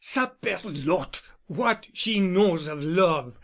Saperlotte! What she knows of love!